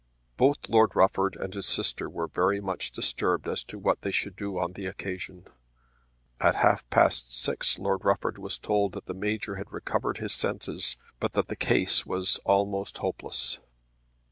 Both Lord Rufford and his sister were very much disturbed as to what they should do on the occasion. At half past six Lord Rufford was told that the Major had recovered his senses, but that the case was almost hopeless.